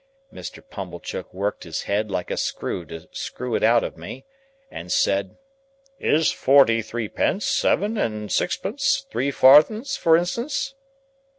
Mr. Pumblechook worked his head like a screw to screw it out of me, and said, "Is forty three pence seven and sixpence three fardens, for instance?"